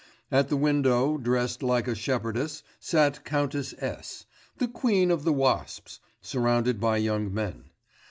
At the window, dressed like a shepherdess, sat Countess S., 'the Queen of the Wasps,' surrounded by young men.